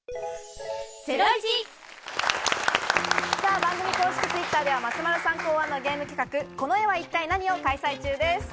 番組公式Ｔｗｉｔｔｅｒでは松丸さん考案のゲーム企画、「この絵は一体ナニ！？」を開催中です。